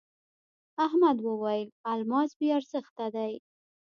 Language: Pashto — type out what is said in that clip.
احمد وويل: الماس بې ارزښته دی.